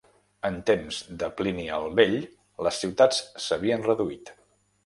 En temps de Plini el Vell les ciutats s'havien reduït.